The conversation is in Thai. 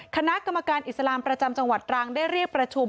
คณะกรรมการอิสลามประจำจังหวัดตรังได้เรียกประชุม